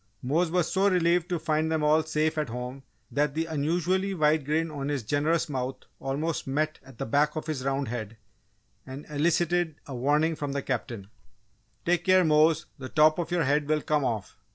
Mose was so relieved to find them all safe at home that the unusually wide grin on his generous mouth almost met at the back of his round head and elicited a warning from the Captain: "Take care, Mose, the top of your head will come off!"